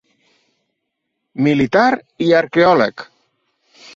Militar i arqueòleg.